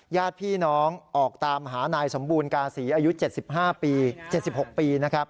ญาติพี่น้องออกตามหานายสมบูรณกาศีอายุ๗๕ปี๗๖ปีนะครับ